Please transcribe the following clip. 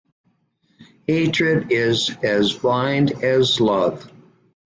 Hatred is as blind as love.